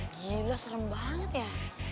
gila serem banget ya